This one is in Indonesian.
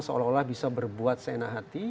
seolah olah bisa berbuat senah hati